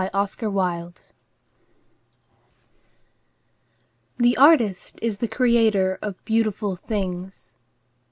THE PREFACE The artist is the creator of beautiful things.